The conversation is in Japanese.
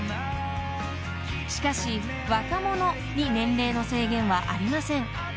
［しかし若者に年齢の制限はありません］